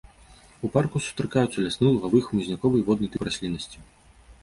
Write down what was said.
У парку сустракаюцца лясны, лугавы, хмызняковы і водны тыпы расліннасці.